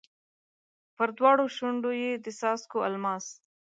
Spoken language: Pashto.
پر دواړو شونډو یې د څاڅکو الماس